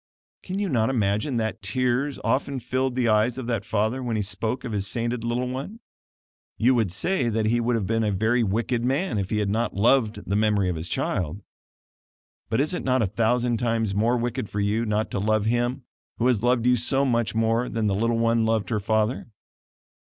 Can you not imagine that tears often filled the eyes of that father when he spoke of his sainted little one? You would say that he would have been a very wicked man if he had not loved the memory of his child. But is it not a thousand times more wicked for you not to love Him who has loved you so much more than that little one loved her father?